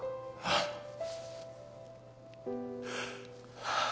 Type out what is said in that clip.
ああ。